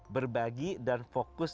berbagi dan fokus